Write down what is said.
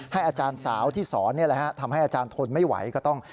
ให้อาจารย์สาวที่สอนเนี่ยแหละฮะทำให้อาจารย์ทนไม่ไหวก็ต้อง